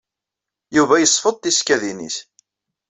Yuba yesfeḍ tisekkadin-nnes.